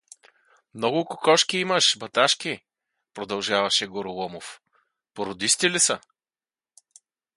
— Много кокошки имаш, Баташки — продължаваше Гороломов. — Породисти ли са?